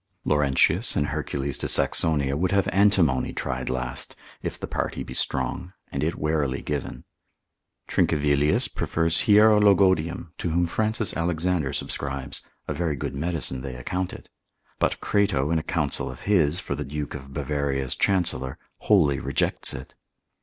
Laurentius and Hercules de Saxonia would have antimony tried last, if the party be strong, and it warily given. Trincavelius prefers hierologodium, to whom Francis Alexander in his Apol. rad. 5. subscribes, a very good medicine they account it. But Crato in a counsel of his, for the duke of Bavaria's chancellor, wholly rejects it.